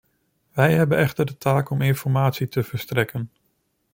Wij hebben echter de taak om informatie te verstrekken.